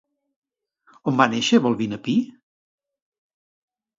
On va néixer Balbina Pi?